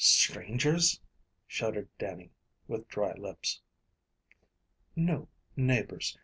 "Strangers?" shuddered Dannie, with dry lips. "No, neighbors.